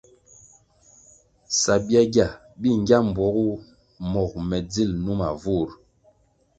Sabyagya bi ngya mbpuogu mogo me dzil numa vur.